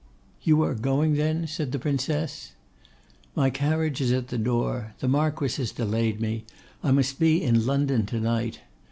'You are going then?' said the Princess. 'My carriage is at the door; the Marquess has delayed me; I must be in London to night.